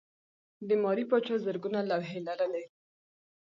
د ماري پاچا زرګونه لوحې لرلې.